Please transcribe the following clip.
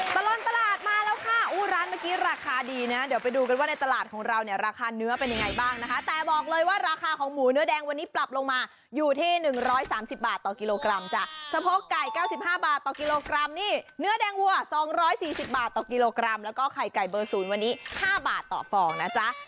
ตลอดตลาดมาแล้วค่ะอู้ร้านเมื่อกี้ราคาดีนะเดี๋ยวไปดูกันว่าในตลาดของเราเนี่ยราคาเนื้อเป็นยังไงบ้างนะคะแต่บอกเลยว่าราคาของหมูเนื้อแดงวันนี้ปรับลงมาอยู่ที่๑๓๐บาทต่อกิโลกรัมจ้ะสะโพกไก่๙๕บาทต่อกิโลกรัมนี่เนื้อแดงวัว๒๔๐บาทต่อกิโลกรัมแล้วก็ไข่ไก่เบอร์ศูนย์วันนี้๕บาทต่อฟองนะจ๊ะ